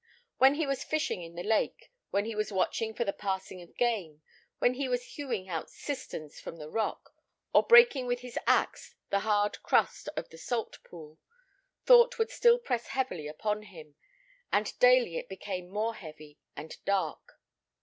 When he was fishing in the lake, when he was watching for the passing of game, when he was hewing out cisterns from the rock, or breaking with his axe the hard crust of the salt pool, thought would still press heavily upon him, and daily it became more heavy and dark.